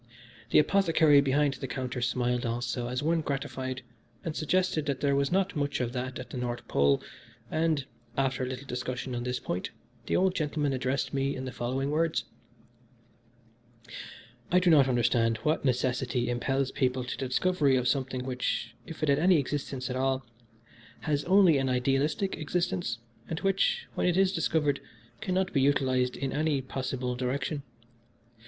The apothecary behind the counter smiled also as one gratified and suggested that there was not much of that at the North Pole, and, after a little discussion on this point, the old gentleman addressed me in the following words: "I do not understand what necessity impels people to the discovery of something, which, if it has any existence at all, has only an idealistic existence, and which, when it is discovered, cannot be utilised in any possible direction.